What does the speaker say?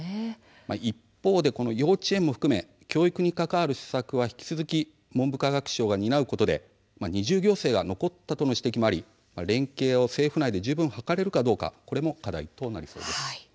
一方で幼稚園も含め教育に関わる施策は引き続き文部科学省が担うことで二重行政が残ったとの指摘もあり連携を政府内で十分図れるかこれも課題となりそうです。